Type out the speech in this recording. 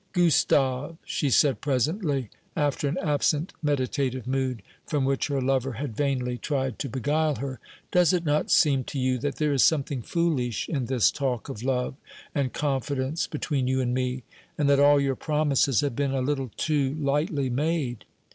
"Gustave," she said presently, after an absent meditative mood, from which her lover had vainly tried to beguile her, "does it not seem to you that there is something foolish in this talk of love and confidence between you and me; and that all your promises have been a little too lightly made?